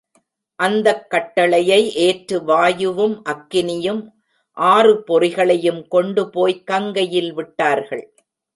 அந்தக் கட்டளையை ஏற்று வாயுவும், அக்கினியும் ஆறு பொறிகளையும் கொண்டு போய்க் கங்கையில் விட்டார்கள்.